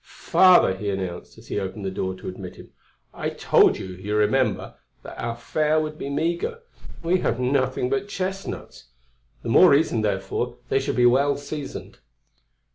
"Father," he announced, as he opened the door to admit him, "I told you, you remember, that our fare would be meagre. We have nothing but chestnuts. The more reason, therefore, they should be well seasoned."